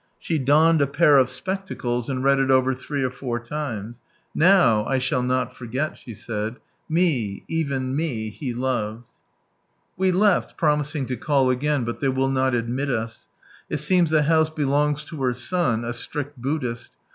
She donned a pair of spectacles, and read it over three or four times, "Now I shall not forget," she said. " Me, even me He loved !" We left, promising to call again, but they will not admit us. It seems the house belongs to her son, a strict Buddhist.